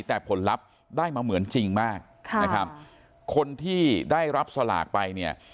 แต่ผลลัพธ์ได้มาเหมือนจริงมากค่ะนะครับคนที่ได้รับสลากไปเนี่ย